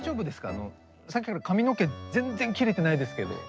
あのさっきから髪の毛全然切れてないですけど。